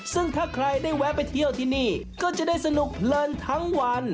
ซึ่งถ้าใครได้แวะไปเที่ยวที่นี่ก็จะได้สนุกเพลินทั้งวัน